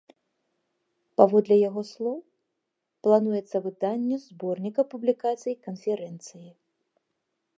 Паводле яго слоў, плануецца выданне зборніка публікацый канферэнцыі.